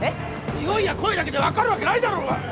においや声だけで分かるわけないだろうが！